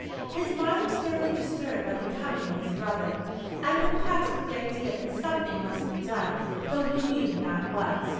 His mind was thoroughly disturbed by the coming of his brother, and perplexed with the idea that something must be done though he knew not what.